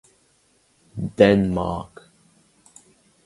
Denmark.